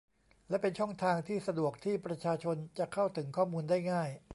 และเป็นช่องทางที่สะดวกที่ประชาชนจะเข้าถึงข้อมูลได้ง่าย